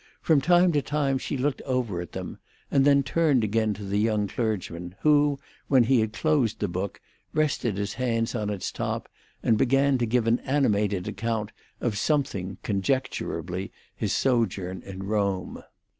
From time to time she looked over at them, and then turned again to the young clergyman, who, when he had closed the book, rested his hands on its top and began to give an animated account of something, conjecturably his sojourn in Rome.